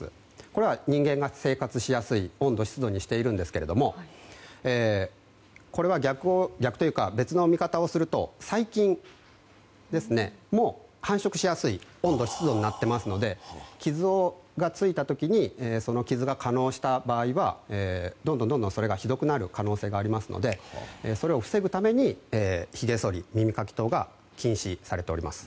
これは人間が生活しやすい温度湿度にしているんですけどもこれは別の見方をすると細菌も繁殖しやすい温度、湿度になっていますので傷がついた時にその傷が、化のうした場合にはどんどんそれがひどくなる可能性がありますのでそれを防ぐためにひげそり、耳かき等が禁止されております。